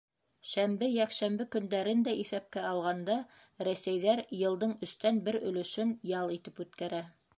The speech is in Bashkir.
Шәмбе, йәкшәмбе көндәрен дә иҫәпкә алғанда, рәсәйҙәр йылдың өстән бер өлөшөн ял итеп үткәрә.